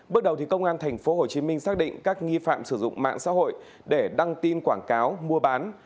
bước đầu công an tp hcm xác định các nghi phạm sử dụng mạng xã hội để đăng tin quảng cáo mua bán